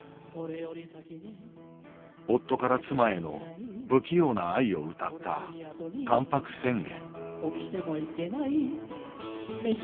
夫から妻への不器用な愛を歌った「関白宣言」。